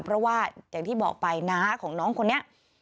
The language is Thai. เพราะว่าอย่างที่บอกไปน้าของน้องคนนี้